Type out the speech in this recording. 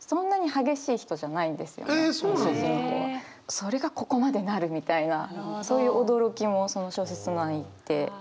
それがここまでなるみたいなそういう驚きもその小説の感じますかね。